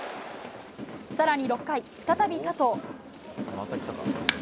さらに６回、再び佐藤。